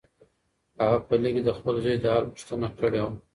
هغه په لیک کې د خپل زوی د حال پوښتنه کړې وه.